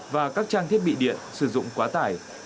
và các trang thiết bị điện sử dụng quá tải